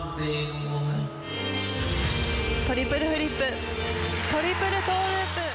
トリプルフリップトリプルトーループ。